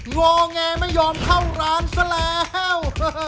งอแงไม่ยอมเข้าร้านซะแล้ว